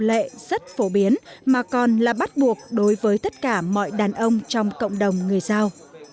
tỷ lệ rất phổ biến mà còn là bắt buộc đối với tất cả mọi đàn ông trong cộng đồng người giao